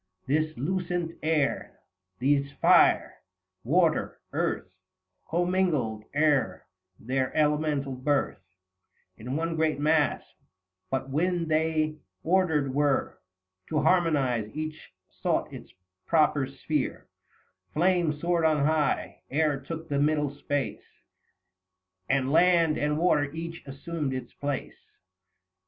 This lucent Air, these Fire, Water, Earth, Commingled ere their elemental birth In one great mass ; but when they ordered were 115 To harmonise, each sought its proper sphere ; Flame soared on high, Air took the middle space, And Land and Water each assumed its place.